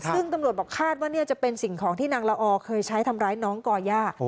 ซึ่งตำรวจบอกคาดว่าเนี่ยจะเป็นสิ่งของที่นางละออเคยใช้ทำร้ายน้องก่อย่า